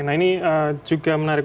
nah ini juga menarik